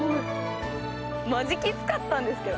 マジきつかったんですけど。